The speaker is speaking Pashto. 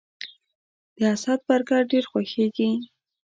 د اسد برګر ډیر خوښیږي